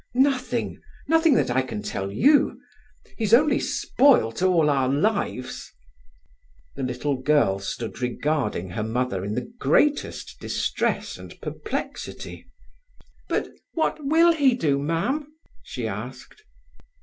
"Nothing—nothing that I can tell you. He's only spoilt all our lives." The little girl stood regarding her mother In the greatest distress and perplexity. "But what will he do, Mam?" she asked.